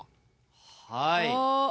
はい。